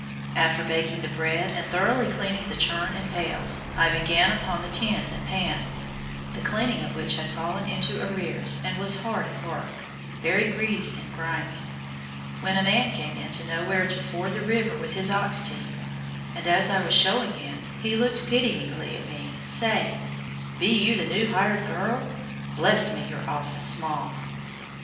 After baking the bread and thoroughly cleaning the churn and pails, I began upon the tins and pans, the cleaning of which had fallen into arrears, and was hard at work, very greasy and grimy, when a man came in to know where to ford the river with his ox team, and as I was showing him he looked pityingly at me, saying, "Be you the new hired girl? Bless me, you're awful small!"